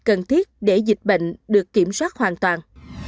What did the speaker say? cần thiết để dịch bệnh được kiểm soát hoàn toàn